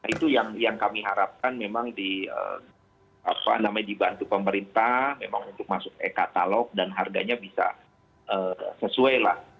itu yang kami harapkan memang dibantu pemerintah memang untuk masuk e katalog dan harganya bisa sesuai lah